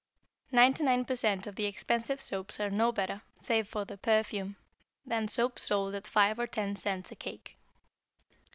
Ninety nine per cent. of the expensive soaps are no better, save for their perfume, than soap sold at five or ten cents a cake.